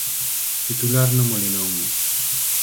Titular no Molinón.